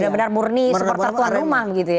benar benar murni supporter tuan rumah begitu ya